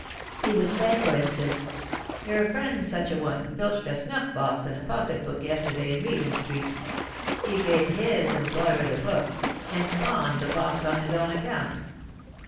He would say, for instance, 'Your friend Such a one filched a snuff box and a pocket book yesterday in Regent Street: he gave his employer the book, and pawned the box on his own account.